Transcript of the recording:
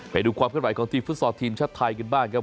ไปดูความขึ้นไหวของทีมฟุตซอลทีมชาติไทยกันบ้างครับ